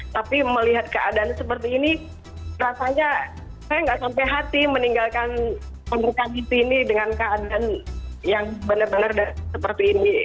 tapi melihat keadaan seperti ini rasanya saya nggak sampai hati meninggalkan pemerintah di sini dengan keadaan yang benar benar seperti ini